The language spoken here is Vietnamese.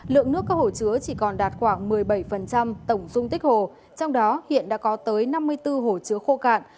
lượng nước các hồ chứa chỉ còn đạt khoảng một mươi bảy tổng dung tích hồ trong đó hiện đã có tới năm mươi bốn hồ chứa khô cạn